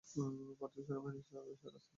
ভারতীয় সেনাবাহিনীর সেরা স্নিপার আজান আকবর।